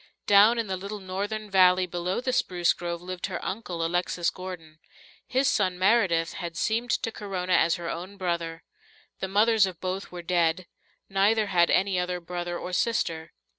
Down in the little northern valley below the spruce grove lived her uncle, Alexis Gordon. His son, Meredith, had seemed to Corona as her own brother. The mothers of both were dead; neither had any other brother or sister.